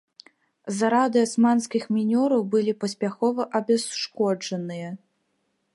Зарады асманскіх мінёраў былі паспяхова абясшкоджаныя.